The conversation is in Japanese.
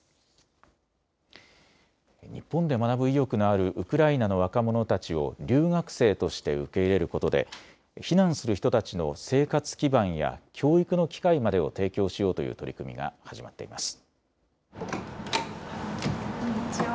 日本で学ぶ意欲のあるウクライナの若者たちを留学生として受け入れることで避難する人たちの生活基盤や教育の機会までを提供しようという取り組みが始まっています。